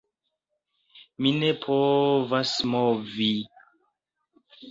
Mi ne povas movi.